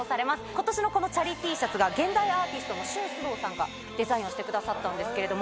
今年のこのチャリＴシャツが現代アーティストのＳＨＵＮＳＵＤＯさんがデザインをしてくださったんですけれども。